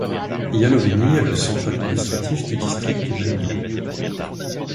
Ialoveni est le centre administratif du district du même nom.